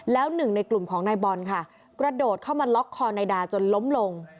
แล้วหนึ่งในกลุ่มของนายบอลค่ะกระโดดเข้ามาล็อกคอนายดาจนล้มลง